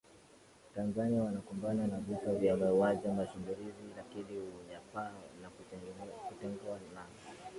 Tanzania wanakumbana na visa vya Mauaji na mashambulizi lakini Unyapaa na kutengwa na